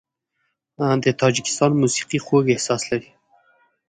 د تاجکستان موسیقي خوږ احساس لري.